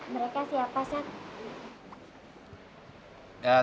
mereka siapa sat